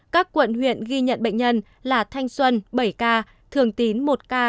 các quận huyện ghi nhận bệnh nhân là thanh xuân bảy ca thường tín một ca